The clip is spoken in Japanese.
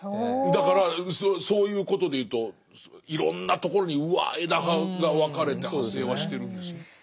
だからそういうことでいうといろんなところにうわ枝葉が分かれて派生はしてるんですね。